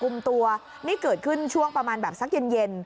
มุมตัวนี่เกิดขึ้นช่วงประมาณแบบสักเย็นเย็น